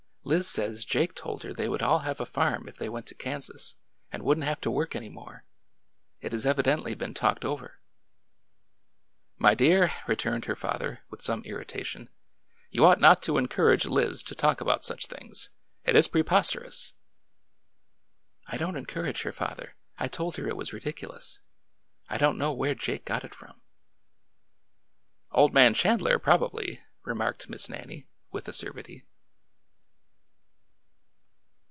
" Liz says Jake told her they would all have a farm if they went to Kan sas, and wouldn't have to work any more. It has evi dently been talked over." My dear," returned her father, with some irritation, you ought not to encourage Liz to talk about such things. It is preposterous I "'' I don't encourage her, father I I told her it was ri diculous. I don't know where Jake got it from." Old man Chandler, probably," remarked Miss Nan nie, with acerbity.